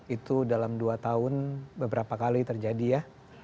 itu dalam dua tahun beberapa kali terjadi ya